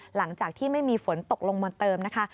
หลังจากที่ไม่มีฝนตกลงมาเติมนะคะ